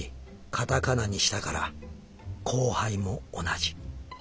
カタカナにしたからコウハイも同じ」。